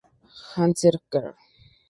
Hannes Kr.